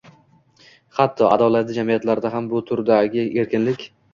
Hatto, adolatli jamiyatlarda bu turdagi erkinlik